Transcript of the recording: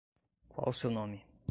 Qual o seu nome?